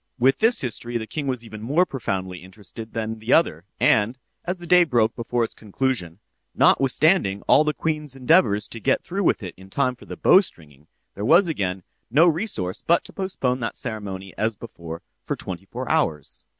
With this history the king was even more profoundly interested than with the other—and, as the day broke before its conclusion (notwithstanding all the queen's endeavors to get through with it in time for the bowstringing), there was again no resource but to postpone that ceremony as before, for twenty four hours.